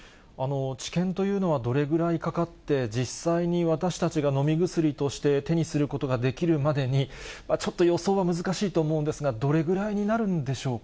治験というのは、どれぐらいかかって、実際に私たちが飲み薬として手にすることができるまでに、ちょっと予想は難しいと思うんですが、どれぐらいになるんでしょ